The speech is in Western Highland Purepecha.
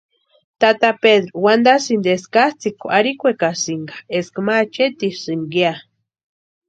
Tata Pedru wantasïnti eska katsʼïkwa arhikwekasïnka eska ma acheetisïnka ya.